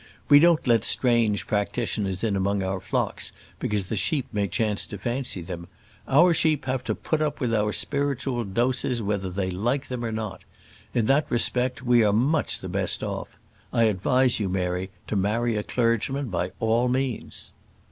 We don't let strange practitioners in among our flocks because the sheep may chance to fancy them. Our sheep have to put up with our spiritual doses whether they like them or not. In that respect we are much the best off. I advise you, Mary, to marry a clergyman, by all means."